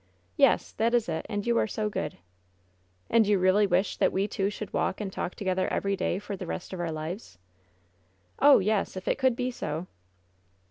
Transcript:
"Yes, that is it! And you are so good." '^And you really wish that we two should walk and talk together every day for the rest of our lives?" "Oh, yes; if it could be so!"